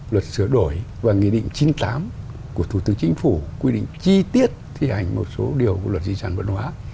luật sửa đổi và nghị định chín mươi tám của thủ tướng chính phủ quy định chi tiết thi hành một số điều của luật di sản văn hóa